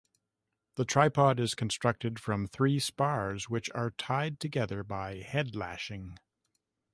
The tripod is constructed from three spars, which are tied together by head-lashing.